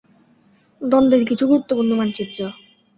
দ্বন্দ্বের কিছু গুরুত্বপূর্ণ মানচিত্র-